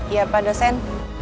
iya pak dosen